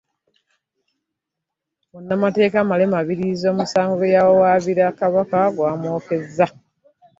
Munnamateeka Male Mabirizi omusango gwe yawawaabira Kabaka gumwokezza.